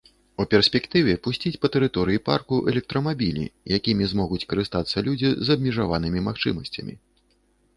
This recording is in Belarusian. У перспектыве пусціць па тэрыторыі парку электрамабілі, якімі змогуць карыстацца людзі з абмежаванымі магчымасцямі.